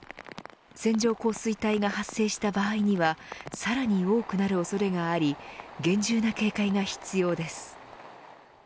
線状降水帯が発生した場合にはさらに多くなる恐れがあり厳重な警戒が必要です。